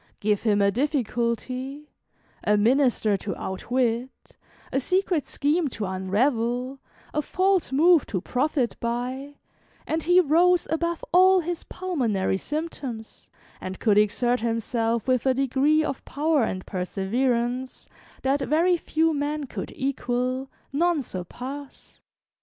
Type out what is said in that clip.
Give him a difficulty, a minister to outwit, a secret scheme to unravel, a false move to profit by, and he rose above all his pulmonary symptoms, and could exert himself with a degree of power and perseverance that very few men could equal, none surpass.